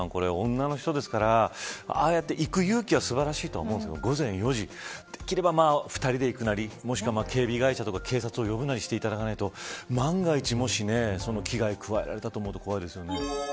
女の人ですから、ああやって行く勇気は素晴らしいとは思うんですが午前４時できれば２人で行くなりもしくは、警備会社や警察を呼んだりしていただかないと万が一、もし危害を加えられたかと思うと怖いですね。